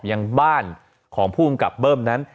ยังบ้านของผู้กำกับเบิ้มนั้น